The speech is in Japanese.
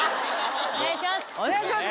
お願いします。